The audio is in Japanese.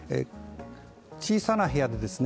小さな部屋でですね